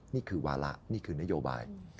นี่คือวาระนี่คือนโยบาย